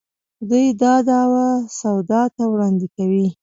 دوی دا دعوه سودا ته وړاندې کوي.